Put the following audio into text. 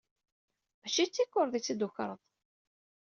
Mačči d tukerḍa i tt-id-tukreḍ!